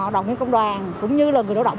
đồng viên công đoàn cũng như là người lao động